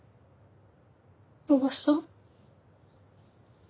おばさん。